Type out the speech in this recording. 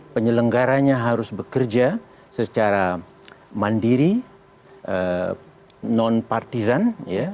penyelenggaranya harus bekerja secara mandiri non partisan